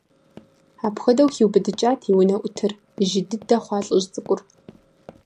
Апхуэдэу хиубыдыкӀат и унэӀутыр - жьы дыдэ хъуа лӀыжь цӀыкӀур.